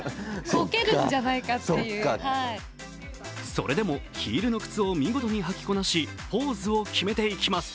それでもヒールの靴を見事に履きこなしポーズを決めていきます。